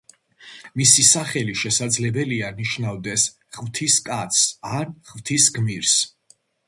მისი სახელი, შესაძლებელია, ნიშნავდეს „ღვთის კაცს“ ან „ღვთის გმირს“.